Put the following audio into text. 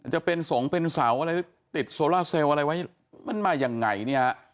จะเป็นสงฆ์เป็นเสาอะไรติดโซล่าเซลล์อะไรไว้มันมายังไงเนี่ย